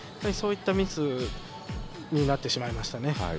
そういったミスになってしまいましたね。